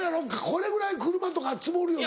これぐらい車とか積もるよな。